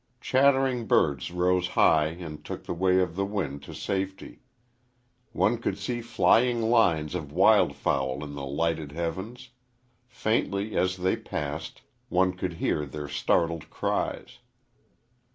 Chattering birds rose high and took the way of the wind to safety. One could see flying lines of wild fowl in the lighted heavens; faintly, as they passed, one could hear their startled cries.